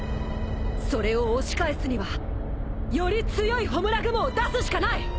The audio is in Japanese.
それを押し返すにはより強い焔雲を出すしかない。